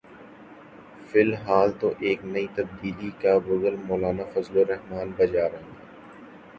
فی الحال تو ایک نئی تبدیلی کا بگل مولانا فضل الرحمان بجا رہے ہیں۔